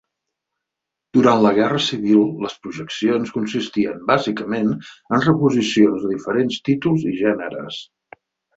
Durant la Guerra Civil les projeccions consistien bàsicament en reposicions de diferents títols i gèneres.